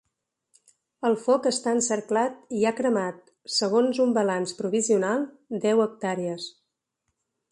El foc està encerclat i ha cremat, segons un balanç provisional, deu hectàrees.